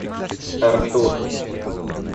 Артур